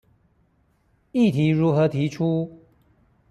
議題如何提出？